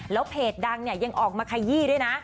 แล้วเพจดังเนี่ยยังออกมาขยี้ด้วยนะ